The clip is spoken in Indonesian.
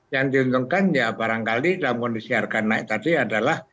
yang diuntungkan ya barangkali dalam kondisi harga naik tadi adalah